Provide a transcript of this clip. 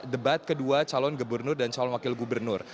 debat kedua calon gubernur dan calon wakil gubernur